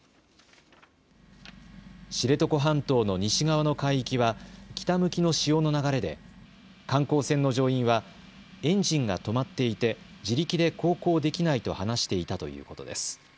知床半島の西側の海域は北向きの潮の流れで観光船の乗員はエンジンが止まっていて自力で航行できないと話していたということです。